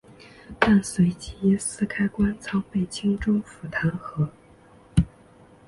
但随即因私开官仓被青州府弹劾。